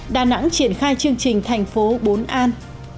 đà nẵng triển khai chương trình thành phố bốn an